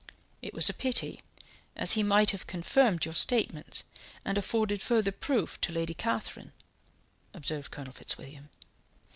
"It was a pity, as he might have confirmed your statements, and afforded further proof to Lady Catherine," observed Colonel Fitzwilliam.